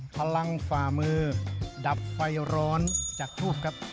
พลังฝ่ามือดับไฟร้อนจากทูบครับ